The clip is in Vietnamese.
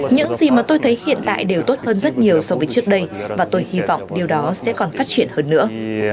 những gì mà tôi thấy hiện tại đều tốt hơn rất nhiều so với trước đây và tôi hy vọng điều đó sẽ còn phát triển hơn nữa